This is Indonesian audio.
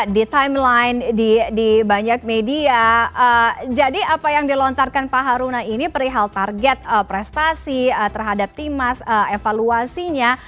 di timeline di banyak media jadi apa yang dilontarkan pak haruna ini perihal target prestasi terhadap timas evaluasinya